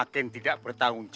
kemenggak dir sangat